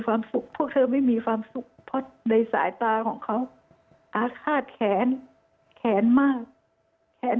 ความสุขพวกเธอไม่มีความสุขเพราะในสายตาของเขาอาฆาตแขนแขน